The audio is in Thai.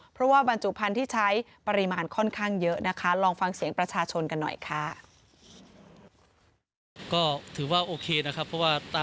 เพราะว่าบรรจุภัณฑ์ที่ใช้ปริมาณค่อนข้างเยอะนะคะลองฟังเสียงประชาชนกันหน่อยค่ะ